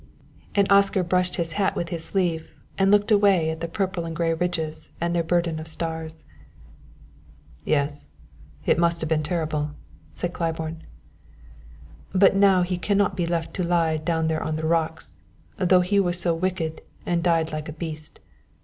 And Oscar brushed his hat with his sleeve and looked away at the purple and gray ridges and their burden of stars. "Yes, it must have been terrible," said Claiborne. "But now he can not be left to lie down there on the rocks, though he was so wicked and died like a beast.